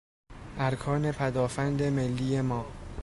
ارکان پدافند ملی ما